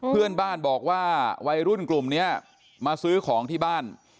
เพื่อนบ้านบอกว่าวัยรุ่นกลุ่มนี้มาซื้อของที่บ้าน